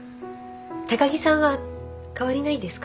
高木さんは変わりないですか？